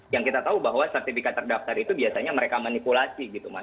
yang kita tahu bahwa sertifikat terdaftar itu biasanya mereka manipulasi gitu mas